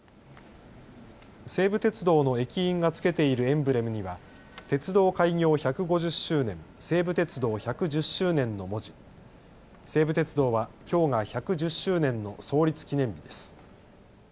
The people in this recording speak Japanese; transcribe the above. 西武鉄道の駅員がつけているエンブレムには鉄道開業１５０周年×西武鉄道１１０周年の文字、西武鉄道はきょうが１１０周年の創立記念日です。